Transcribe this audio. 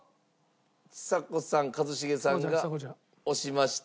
ちさ子さん一茂さんが押しました。